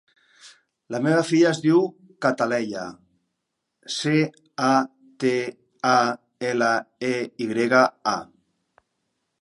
La meva filla es diu Cataleya: ce, a, te, a, ela, e, i grega, a.